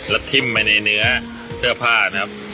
แล้วทิ้มไปในเนื้อเสื้อผ้านะครับ